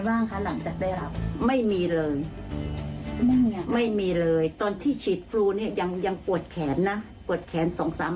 วัคซีนอะไรมาบ้างได้ตอนนี้ส่วนมาก